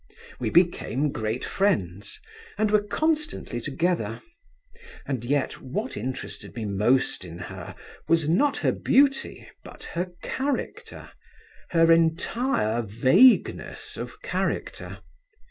We became great friends, and were constantly together. And yet what interested me most in her was not her beauty, but her character, her entire vagueness of character.